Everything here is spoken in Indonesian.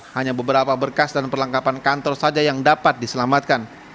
hanya beberapa berkas dan perlengkapan kantor saja yang dapat diselamatkan